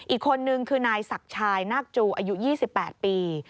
อีกคนนึงคือนายศักดิ์ชายนาคจูอายุ๒๘ปี